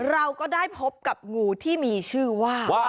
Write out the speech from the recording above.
เราก็ได้พบกับงูที่มีชื่อว่า